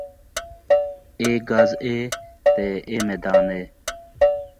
اے گز اے تے اے میدان اے